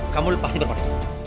kamu pasti berpura pura